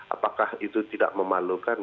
apakah itu tidak memalukan